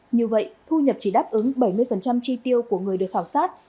như vậy thu nhập chỉ đáp ứng bảy mươi chi tiêu của người được khảo sát